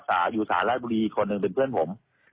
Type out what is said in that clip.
เพราะว่าตอนแรกมีการพูดถึงนิติกรคือฝ่ายกฎหมาย